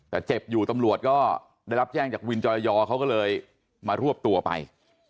แต่เจ็บอยู่ตำรวจก็ได้รับแจ้งจากวินจอยอเขาก็เลยมารวบตัวไป